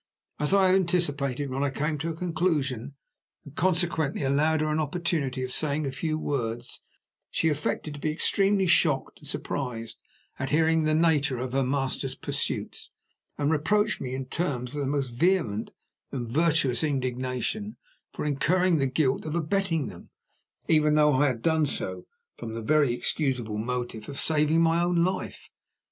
As I had anticipated, when I came to a conclusion, and consequently allowed her an opportunity of saying a few words, she affected to be extremely shocked and surprised at hearing of the nature of her master's pursuits, and reproached me in terms of the most vehement and virtuous indignation for incurring the guilt of abetting them, even though I had done so from the very excusable motive of saving my own life.